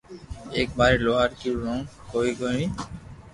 ايڪ ماري لوھارڪي رو ڪوم ڪوئي ھوئي